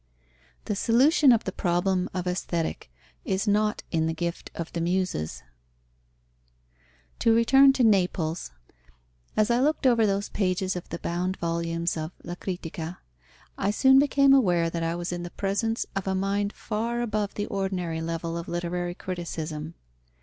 The solution of the problem of Aesthetic is not in the gift of the Muses. To return to Naples. As I looked over those pages of the bound volumes of La Critica. I soon became aware that I was in the presence of a mind far above the ordinary level of literary criticism.